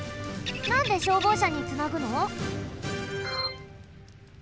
なんで消防車につなぐの？